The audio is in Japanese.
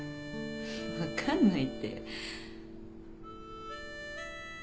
分かんないって。